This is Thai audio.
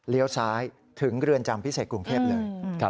ซ้ายถึงเรือนจำพิเศษกรุงเทพเลย